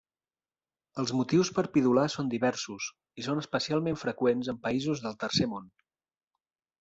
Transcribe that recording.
Els motius per pidolar són diversos, i són especialment freqüents en països del Tercer Món.